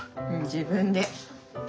自分で！